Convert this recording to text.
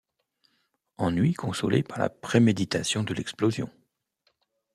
Ennui consolé par la préméditation de l’explosion.